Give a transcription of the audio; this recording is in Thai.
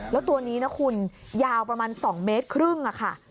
แล้วตัวนี้นะคุณยาวประมาณ๒เมตรครึ่งค่ะ